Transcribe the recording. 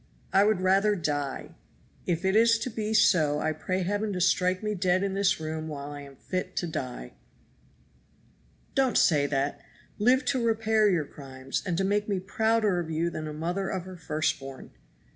"I would rather die; if it is to be so I pray Heaven to strike me dead in this room while I am fit to die!" "Don't say that; live to repair your crimes and to make me prouder of you than a mother of her first born."